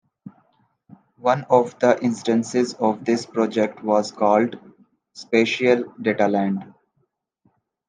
One of the instances of this project was called Spatial Dataland.